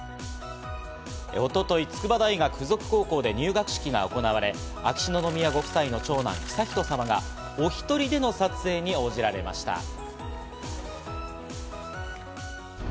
一昨日、筑波大学附属高校で入学式が行われ、秋篠宮ご夫妻の長男・悠仁さまはお１人での撮影に応じられました。